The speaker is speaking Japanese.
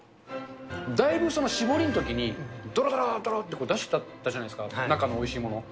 だいぶ絞りのときに、どろどろどろって、出しちゃったじゃないですか、中のおいしいのを。